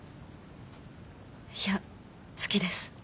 いや好きです。